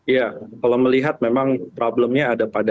ya kalau melihat memang problemnya ada pada